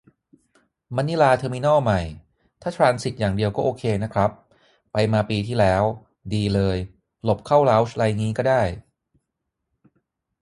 มะนิลาเทอร์มินอลใหม่ ถ้าทรานสิตอย่างเดียวก็โอเคนะครับ ไปมาปีที่แล้ว ดีเลย หลบเข้าเลาจน์ไรงี้ก็ได้